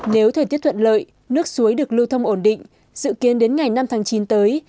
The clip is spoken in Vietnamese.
nếu thời tiết thuận lợi nước suối được lưu thông ổn định dự kiến đến ngày năm tháng chín tới